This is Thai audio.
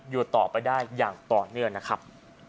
อยู่ต่อไปได้อย่างต่อเนื่องนะครับ